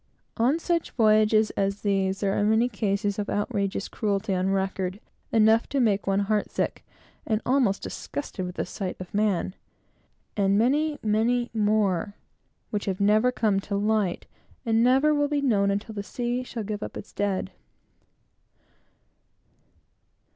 On such voyages as these, there are many cases of outrageous cruelty on record, enough to make one heartsick, and almost disgusted with the sight of man; and many, many more, which have never come to light, and never will be known, until the sea shall give up its dead.